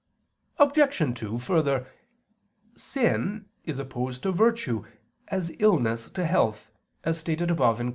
Obj. 2: Further, sin is opposed to virtue as illness to health, as stated above (Q.